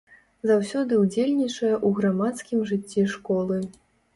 Заўсёды ўдзельнічае ў грамадскім жыцці школы.